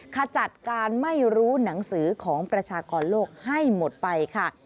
ขจัดการไม่รู้หนังสือของประชากรโลกให้หมดไปค่ะ